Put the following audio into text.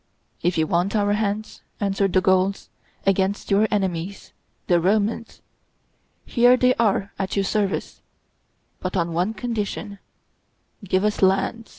"If you want our hands," answered the Gauls, "against your enemies, the Romans, here they are at your service but on one condition: give us lands."